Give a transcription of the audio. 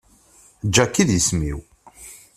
Jack i d isem-iw.